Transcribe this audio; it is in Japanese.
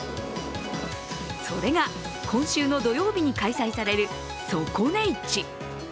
それが、今週の土曜日に開催される底値市。